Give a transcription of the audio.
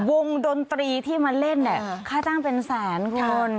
ดนตรีที่มาเล่นเนี่ยค่าจ้างเป็นแสนคุณ